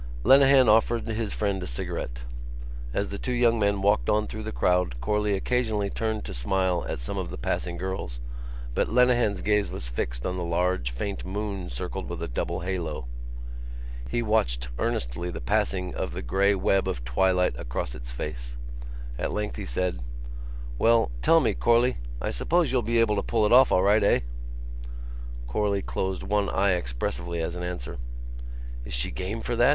Lenehan offered his friend a cigarette. As the two young men walked on through the crowd Corley occasionally turned to smile at some of the passing girls but Lenehan's gaze was fixed on the large faint moon circled with a double halo. He watched earnestly the passing of the grey web of twilight across its face. At length he said: "Well ... tell me, Corley, I suppose you'll be able to pull it off all right, eh?" Corley closed one eye expressively as an answer. "Is she game for that?"